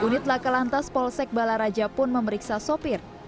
unit lakalantas polsek bala raja pun memeriksa sopir